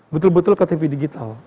betul betul ke tv digital